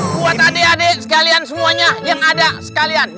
buat adik adik sekalian semuanya yang ada di sini